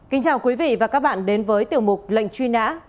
kính chào quý vị và các bạn đến với tiểu mục lệnh truy nã